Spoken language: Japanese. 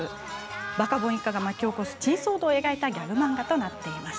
バカボン一家が巻き起こす珍騒動を描いたギャグ漫画になっています。